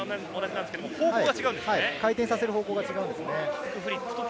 回転させる方向が違うんです。